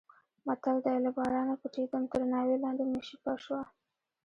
متل دی: له بارانه پټېدم تر ناوې لاندې مې شپه شوه.